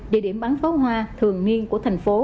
địa điểm bắn pháo hoa thường niên của thành phố